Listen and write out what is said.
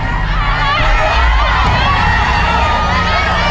สบายนะครับ